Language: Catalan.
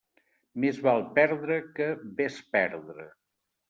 Més val perdre que besperdre.